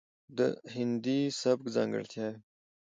،دهندي سبک ځانګړتياوې،